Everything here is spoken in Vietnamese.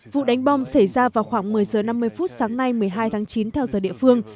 vụ đánh bom xảy ra vào khoảng một mươi h năm mươi phút sáng nay một mươi hai tháng chín theo giờ địa phương